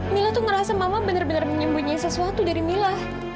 mila tuh ngerasa mama bener bener menyembunyikan sesuatu dari mila